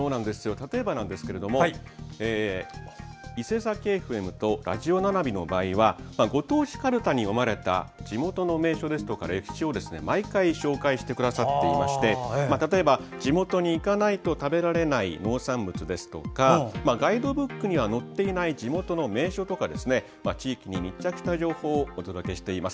例えば、いせさきＦＭとラヂオななみの場合はご当地かるたに読まれた地方の名所や歴史を毎回紹介してくださっていまして地元に行かないと食べられない農産物ですとかガイドブックには載っていない地元の名所とか地域に密着した情報をお届けしています。